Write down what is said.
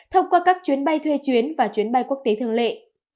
thông qua các chuyến bay thuê chuyến và chuyến bay quốc tế thường lệ